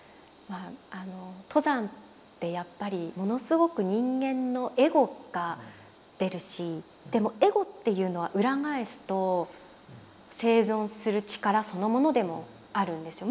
登山ってやっぱりものすごく人間のエゴが出るしでもエゴっていうのは裏返すと生存する力そのものでもあるんですよ。